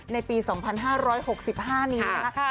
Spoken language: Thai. ในปีสองพันห้าร้อยหกสิบห้านี้นะฮะค่ะ